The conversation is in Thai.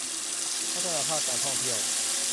พัฒนาภาคการท่องเที่ยว